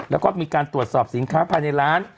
แล้วก็มีการตรวจสอบสินค้าภายในร้าน